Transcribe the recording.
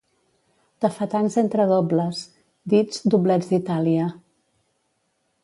Tafetans entredobles, dits "doblets d'Itàlia".